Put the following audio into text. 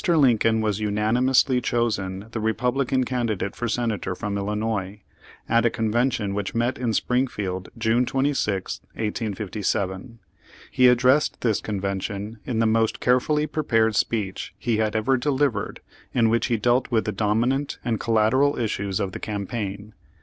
Lincoln was unanimously chosen the Re publican candidate for Senator from Illinois, at a convention which met in Springfield, June 26, 1857. He addressed this convention in the most carefully prepared speech he had ever delivered in which he dealt with the dominant and collateral issues of the campaign.